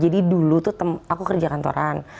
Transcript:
dulu tuh aku kerja kantoran